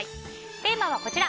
テーマはこちら。